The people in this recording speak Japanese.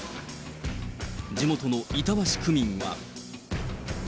地元の板橋区民は。